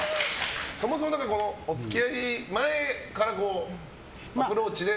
そもそも、お付き合い前からアプローチで。